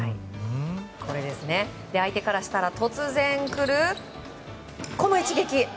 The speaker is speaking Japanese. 相手からしたら突然来る、この一撃！